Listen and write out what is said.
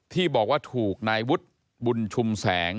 ที่บอกว่าถูกนายวุฒิบุญชุมแสง